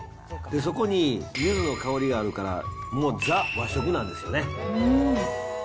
そこに、ゆずの香りがあるから、もうＴＨＥ和食なんですよね。